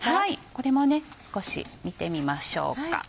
これも少し見てみましょうか。